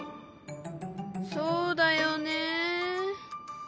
そうだよねあっ！